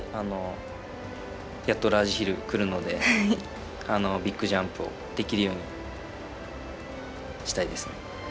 やっとラージヒルがくるので、ビッグジャンプをできるようにしたいですね。